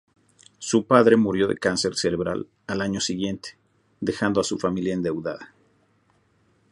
Su padre murió de cáncer cerebral al año siguiente, dejando a su familia endeudada.